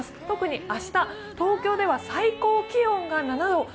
特に明日、東京では最高気温が７度。